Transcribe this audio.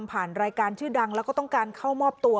ผ่านรายการชื่อดังแล้วก็ต้องการเข้ามอบตัว